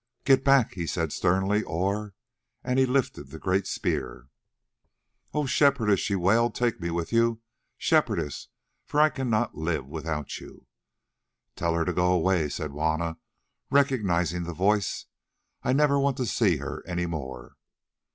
"Get back," he said sternly, "or——" and he lifted the great spear. "Oh! Shepherdess," she wailed, "take me with you, Shepherdess, for I cannot live without you." "Tell her to go away," said Juanna, recognising the voice; "I never want to see her any more."